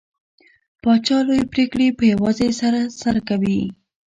پاچا لوې پرېکړې په يوازې سر سره کوي .